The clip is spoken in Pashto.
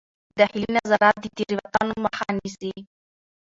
داخلي نظارت د تېروتنو مخه نیسي.